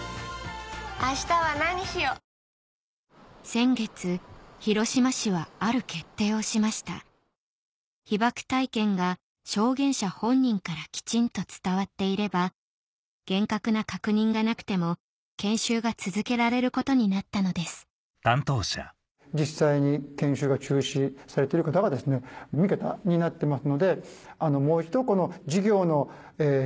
先月広島市はある決定をしました被爆体験が証言者本人からきちんと伝わっていれば厳格な確認がなくても研修が続けられることになったのですつぐみさんは大学で伝承研修を続けられるという知らせを受けましたお疲れさまです。